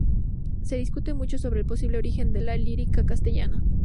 Se discute mucho sobre el posible origen de la lírica castellana.